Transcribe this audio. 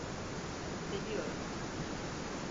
Seviyorum.